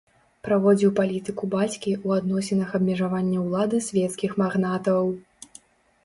Праводзіў палітыку бацькі ў адносінах абмежавання ўлады свецкіх магнатаў.